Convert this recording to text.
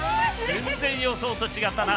全然予想と違ったな。